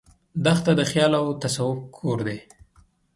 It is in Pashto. دښته د خیال او تصوف کور دی.